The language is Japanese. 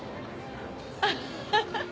アハハッ！